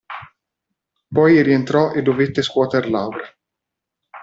Poi rientrò e dovette scuoter Laura.